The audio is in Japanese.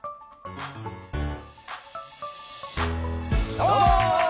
どうも。